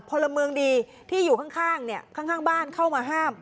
พลเมืองดีที่อยู่ข้างเนี่ยข้างบ้านเข้ามาห้าม